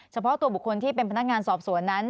เฉพาะตัวบุคคลที่เป็นพนักงานสอบสวนนั้น